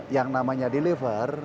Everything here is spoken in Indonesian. yang namanya deliver